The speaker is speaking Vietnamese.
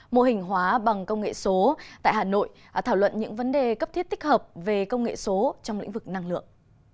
mô hình hóa bằng công nghệ số tại hà nội thảo luận những vấn đề cấp thiết tích hợp về công nghệ số trong lĩnh vực năng lượng